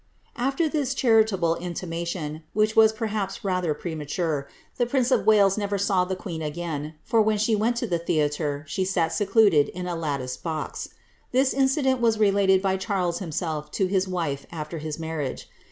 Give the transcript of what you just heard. Afier this charitable intimation, which was perhaps rather premature, the prince of Wales never saw the queen again, for when she went to the theatre, she sat secluded in a latticed box. This incident was related bv Charies himself to his wife after his marriage.'